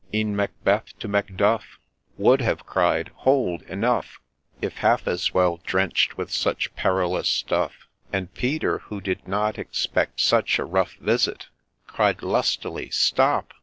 E'en Macbeth to Macdufi Would have cried ' Hold ! enough !' If half as well drench'd with such ' perilous stuff,' And Peter, who did not expect such a rough visit, Cried lustily, 'Stop